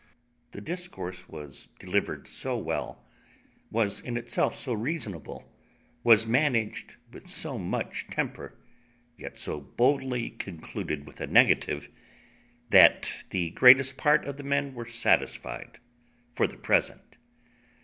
This discourse was delivered so well, was in itself so reasonable, was managed with so much temper, yet so boldly concluded with a negative, that the greatest part of the men were satisfied for the present.